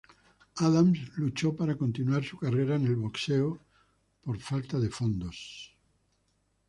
Adams luchó para continuar su carrera en el boxeo por falta de fondos.